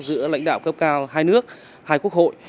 giữa lãnh đạo cấp cao hai nước hai quốc hội